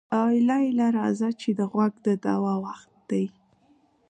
اله اله راځه چې د غوږ د دوا وخت دی.